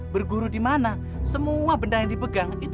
bu pintas jadi tahu dibuat